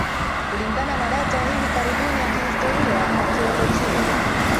kulingana na data ya hivi karibuni ya kihistoria akiolojia